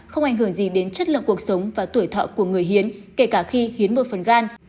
không ảnh hưởng gì đến chất lượng cuộc sống và tuổi thọ của người hiến kể cả khi hiến một phần gan